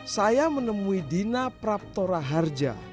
saya menemui dina praptora harja